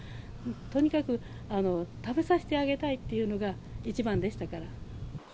とにかく食べさせてあげたいっていうのが一番でしたから。